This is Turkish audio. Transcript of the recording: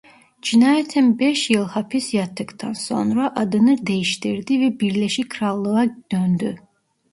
Cinayetten beş yıl hapis yattıktan sonra adını değiştirdi ve Birleşik Krallık'a döndü.